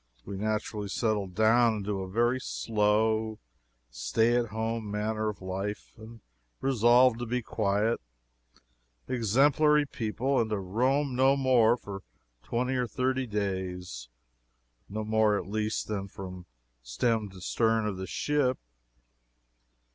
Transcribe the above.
We naturally settled down into a very slow, stay at home manner of life, and resolved to be quiet, exemplary people, and roam no more for twenty or thirty days. No more, at least, than from stem to stern of the ship.